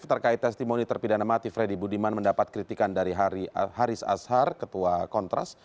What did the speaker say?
terkait testimoni terpidana mati freddy budiman mendapat kritikan dari haris azhar ketua kontras